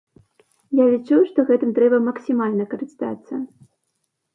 Я лічу, што гэтым трэба максімальна карыстацца.